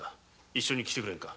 一緒に来てくれんか。